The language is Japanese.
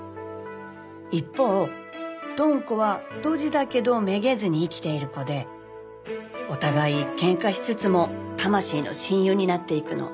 一方ドン子はドジだけどめげずに生きている子でお互い喧嘩しつつも魂の親友になっていくの。